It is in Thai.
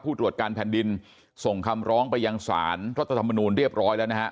ตรวจการแผ่นดินส่งคำร้องไปยังสารรัฐธรรมนูลเรียบร้อยแล้วนะฮะ